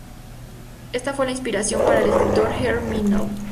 Esta fue la inspiración para el escritor Herb Meadow.